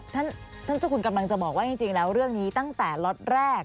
ท่านเจ้าคุณกำลังจะบอกว่าจริงแล้วเรื่องนี้ตั้งแต่ล็อตแรก